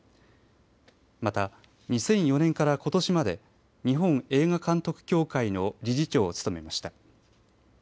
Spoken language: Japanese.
また、２００４年からことしまで日本映画監督協会の理事長を務めました。